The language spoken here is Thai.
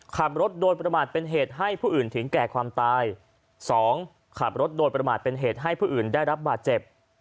ขับรถโดนประมาทเป็นเหตุให้ผู้อื่นถึงแก่ความตายสองขับรถโดนประมาทเป็นเหตุให้ผู้อื่นได้รับบาดเจ็บ